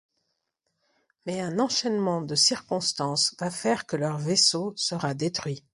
Mais un enchaînement de circonstances va faire que leur vaisseau sera détruit.